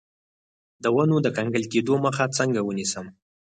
د ونو د کنګل کیدو مخه څنګه ونیسم؟